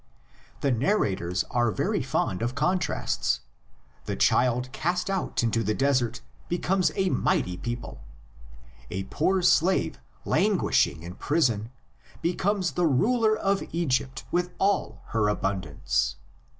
The narrators are very fond of contrasts: the child cast out into the desert becomes a mighty people; a poor slave, languishing in prison, becomes the ruler of Egypt with all her abundance.